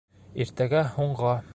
Иртәгә һуңға